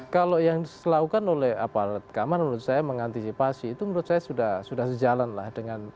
kalau yang dilakukan oleh aparat kamar menurut saya mengantisipasi itu menurut saya sudah sejalan lah dengan